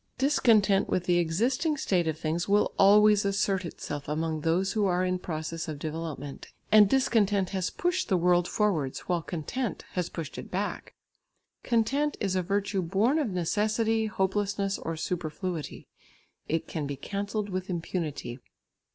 Discontent with the existing state of things will always assert itself among those who are in process of development, and discontent has pushed the world forwards, while content has pushed it back. Content is a virtue born of necessity, hopelessness or superfluity; it can be cancelled with impunity.